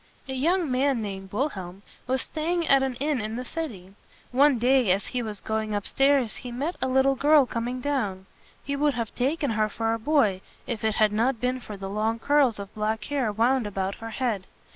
A young man named Wil helm was staying at an inn in the city. One day as he was going up stairs he met a little girl coming down. He would have taken her for a boy, if it had not been for the long curls of black hair wound about her head.